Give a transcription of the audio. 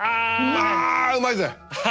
まぁうまいぜ！